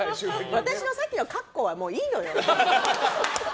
私のさっきのかっこはもういいのよ。